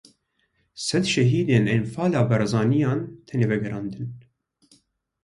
Sed şehîdên Enfala Barzaniyan têne vegerandin.